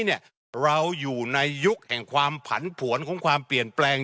เราอยู่ในยุคแห่งความผันผวนของความเปลี่ยนแปลง